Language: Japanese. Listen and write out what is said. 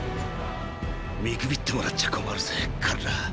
見くびってもらっちゃ困るぜカルラ。